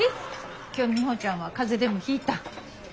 今日ミホちゃんは風邪でもひいた？